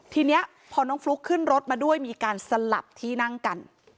ทีนี้พอน้องฟลุ๊กขึ้นรถมาด้วยมีการสลับที่นั่งกัน